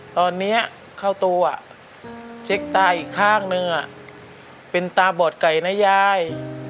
ตอนนี้เข้าตัวเช็คตาอีกข้างนึงเป็นตาบอดไก่นะยาย